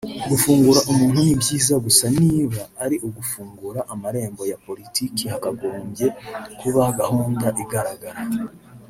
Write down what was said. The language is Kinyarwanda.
Gufungura umuntu ni byiza gusa niba ari ugufungura amarembo ya politike hakagombye kuba gahunda igaragara